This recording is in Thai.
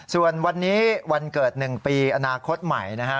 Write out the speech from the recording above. ส่วนวันนี้วันเกิด๑ปีอนาคตใหม่นะฮะ